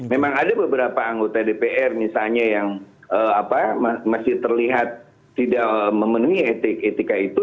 memang ada beberapa anggota dpr misalnya yang masih terlihat tidak memenuhi etika itu